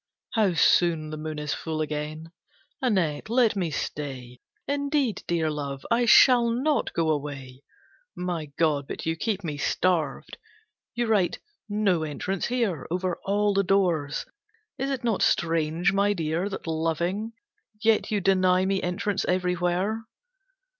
"How soon the moon is full again! Annette, let me stay. Indeed, Dear Love, I shall not go away. My God, but you keep me starved! You write `No Entrance Here', over all the doors. Is it not strange, my Dear, that loving, yet you deny me entrance everywhere.